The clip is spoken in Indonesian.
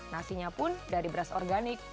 nasinya pun dari beras organik